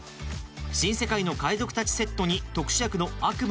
新世界の海賊たちセットに特殊役の悪夢の海賊同盟。